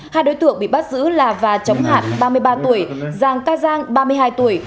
hai đối tượng bị bắt giữ là và chống hạn ba mươi ba tuổi giàng ca giang ba mươi hai tuổi